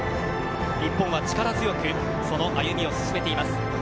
日本は力強くその歩みを進めています。